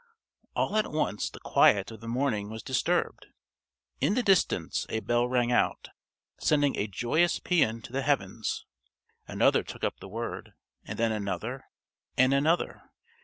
_) All at once the quiet of the morning was disturbed. In the distance a bell rang out, sending a joyous pæan to the heavens. Another took up the word, and then another, and another.